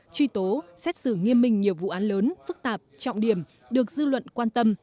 truy tố xét xử nghiêm minh nhiều vụ án lớn phức tạp trọng điểm được dư luận quan tâm